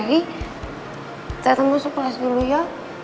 kita ketemu masuk kelas dulu ya